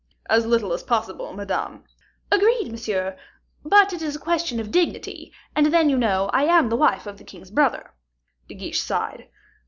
"As little as possible, Madame." "Agreed, monsieur; but it is a question of dignity; and then, you know, I am the wife of the king's brother." De Guiche sighed.